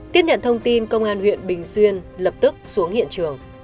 tiếp nhận thông tin công an huyện bình xuyên lập tức xuống hiện trường